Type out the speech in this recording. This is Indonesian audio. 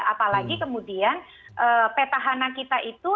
apalagi kemudian peta hana kita itu